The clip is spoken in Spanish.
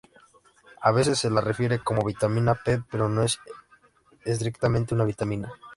A veces se la refiere como vitamina P, pero no es estrictamente una vitamina.